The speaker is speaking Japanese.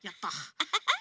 アハハハ！